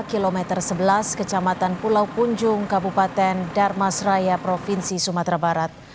satu sebelas km kecamatan pulau kunjung kabupaten darmasraya provinsi sumatera barat